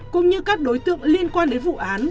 cũng như các đối tượng liên quan đến vụ án